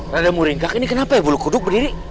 rada muringkak ini kenapa ya bulu kuduk berdiri